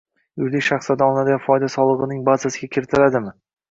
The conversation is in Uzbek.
yuridik shaxslardan olinadigan foyda solig‘ining bazasiga kiritiladimi?